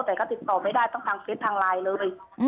แต่ก็ติดต่อไม่ได้ต้องทางเฟสทางไลน์เลย